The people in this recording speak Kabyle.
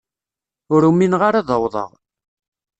Ur umineɣ ara ad awḍeɣ.